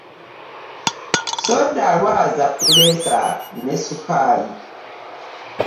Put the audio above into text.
Soda alwaza puleesa ne sukaali.